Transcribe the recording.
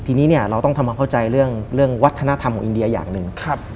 ทีนี้เนี่ยเราต้องทำความเข้าใจเรื่องวัฒนธรรมของอินเดียอย่างหนึ่ง